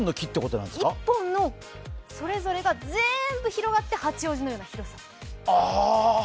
１本のそれぞれが全部広がって八王子のような広さ。